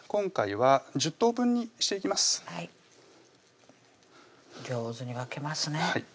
はい上手に分けますね